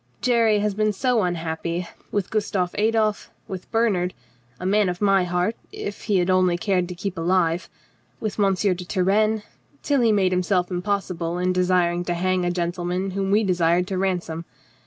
"Jerry has been so unhappy. With Gustav Adolf, with Bernhard — a man of my heart if he had only cared to keep alive — with M. de Turenne — till he made himself impossible in desiring to hang a gen tleman whom we desired to ransom.